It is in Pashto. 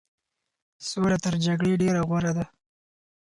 سوله تر جګړې ډېره غوره ده.